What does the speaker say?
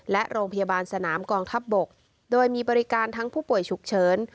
และโรงพยาบาลสนามกองทัพบกโดยมีบริการทั้งผู้ป่วยฉุกเฉิน